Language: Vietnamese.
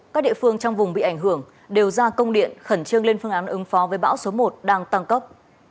các địa phương trong vùng bị ảnh hưởng đều ra công điện khẩn trương lên phương án ứng phó với bão số một đang tăng cấp